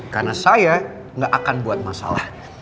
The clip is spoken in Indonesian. karena saya gak akan buat masalah